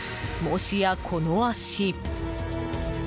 もしや、この足。